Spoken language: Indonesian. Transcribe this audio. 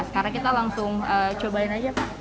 sekarang kita langsung cobain aja pak